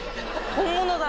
本物だ！